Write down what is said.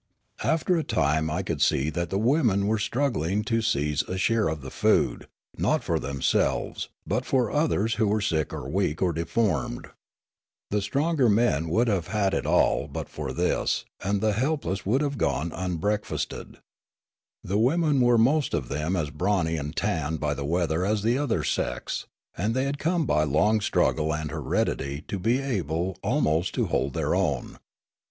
After a time I could see that the women were strug gling to seize a share of the food, not for themselves, but for others who were sick or weak or deformed. The stronger men would have had it all but for this, Tirralaria 145 and the helpless would have gone unbreakfasted. The wouieii were most of them as brawny and tanned by the weather as the other sex, and they had come by long struggle and heredit}^ to be able almost to hold their own.